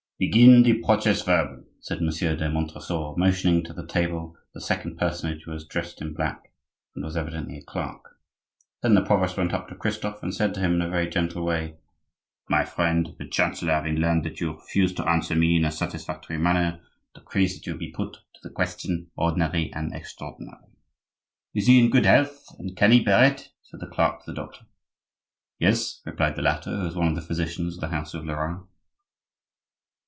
"Begin the proces verbal," said Monsieur de Montresor, motioning to the table the second personage, who was dressed in black, and was evidently a clerk. Then the provost went up to Christophe, and said to him in a very gentle way: "My friend, the chancellor, having learned that you refuse to answer me in a satisfactory manner, decrees that you be put to the question, ordinary and extraordinary." "Is he in good health, and can he bear it?" said the clerk to the doctor. "Yes," replied the latter, who was one of the physicians of the house of Lorraine.